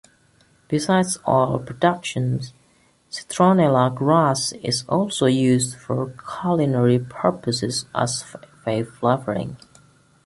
Besides oil production, citronella grass is also used for culinary purposes, as a flavoring.